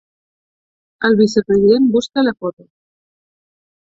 El vicepresident busca la foto!